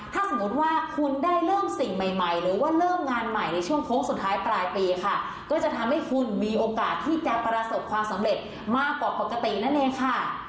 ถ้าสมมติว่าคุณได้เริ่มสิ่งใหม่ใหม่หรือว่าเริ่มงานใหม่ในช่วงโค้งสุดท้ายปลายปีค่ะก็จะทำให้คุณมีโอกาสที่จะประสบความสำเร็จมากกว่าปกตินั่นเองค่ะ